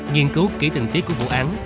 nghiên cứu kỹ tình tiết của vụ án